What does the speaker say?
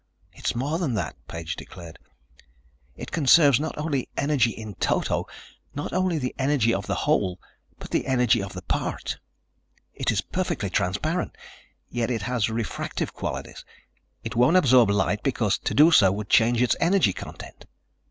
"It's more than that," Page declared. "It conserves not only energy in toto, not only the energy of the whole, but the energy of the part. It is perfectly transparent, yet it has refractive qualities. It won't absorb light because to do so would change its energy content.